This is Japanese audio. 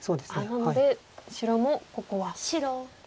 なので白もここは。